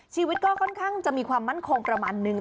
ชีวิตก็ค่อนข้างจะมีความมั่นคงประมาณนึง